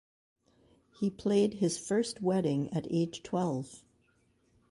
He played his first wedding at age twelve.